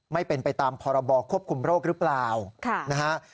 ไม่เป็นไปตามพรบควบคุมโรคหรือเปล่านะฮะ